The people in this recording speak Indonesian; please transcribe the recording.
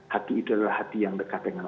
hati itu adalah hati yang dekat dengan